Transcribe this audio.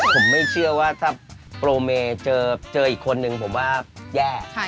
ผมไม่เชื่อว่าถ้าโปรเมย์เจออีกคนนึงผมว่าแย่